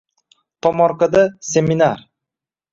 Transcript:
Tomorqada seminar